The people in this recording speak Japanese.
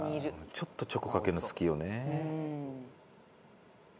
ちょっとチョコかけるの好きよね。